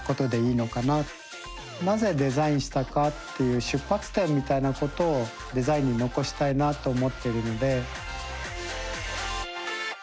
なぜデザインしたかっていう出発点みたいなことをデザインに残したいなと思っているので。